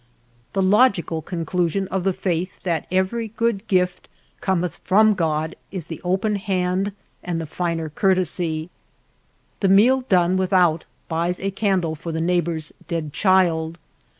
The logical conclusion of the faith that every good gift cometh from God is the open hand and the finer courtesy. The meal done without buys a candle for the neighbor's dead child.